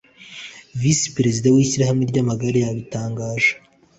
vice perezida w’ishyirahamwe ry’amagare yabitangaje